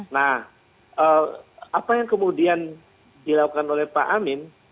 nah apa yang kemudian dilakukan oleh pak amin